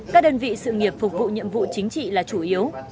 các đơn vị sự nghiệp phục vụ nhiệm vụ chính trị là chủ yếu